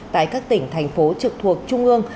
tại các tỉnh thành phố trực thuộc trung ương